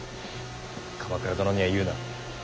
鎌倉殿には言うな。